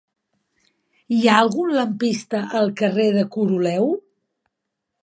Hi ha algun lampista al carrer de Coroleu?